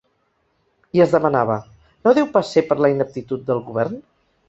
I es demanava: ‘No deu pas ser per la ineptitud del govern?’